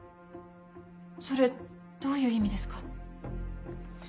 それどういう意味ですか？